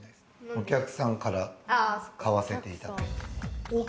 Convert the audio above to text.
お客さんから買わせていただいて。